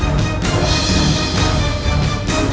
itu pastikian santang yang asli